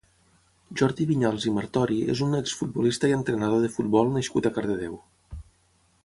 Jordi Vinyals i Martori és un exfutbolista i entrenador de futbol nascut a Cardedeu.